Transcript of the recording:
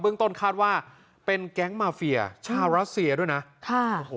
เบื้องต้นคาดว่าเป็นแก๊งมาเฟียชาวรัสเซียด้วยนะค่ะ